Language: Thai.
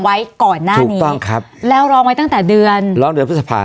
ไว้ก่อนหน้านี้ถูกต้องครับแล้วร้องไว้ตั้งแต่เดือนร้องเดือนพฤษภา